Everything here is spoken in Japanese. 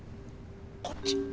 こっち！